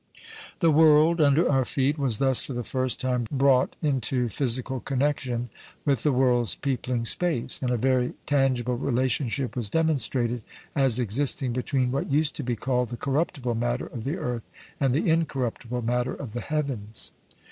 The world under our feet was thus for the first time brought into physical connection with the worlds peopling space, and a very tangible relationship was demonstrated as existing between what used to be called the "corruptible" matter of the earth and the "incorruptible" matter of the heavens.